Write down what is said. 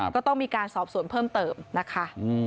ก็ต้องมีการสอบสวนเพิ่มเติมนะคะ